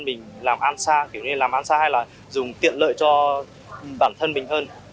mình làm an xa làm an xa hay là dùng tiện lợi cho bản thân mình hơn